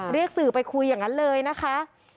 เรียกสื่อไปคุยอย่างนั้นเลยนะคะ